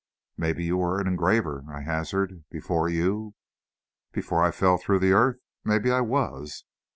"Maybe you were an engraver," I hazarded, "before you " "Before I fell through the earth? Maybe I was.